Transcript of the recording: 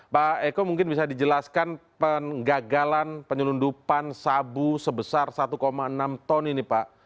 pak eko mungkin bisa dijelaskan penggagalan penyelundupan sabu sebesar satu enam ton ini pak